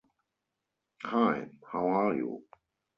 Hi. How are you?